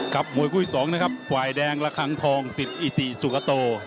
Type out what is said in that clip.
กับมวยคู่ที่สองนะครับฝ่ายแดงละคังทองศิษย์อิติสุฆาโต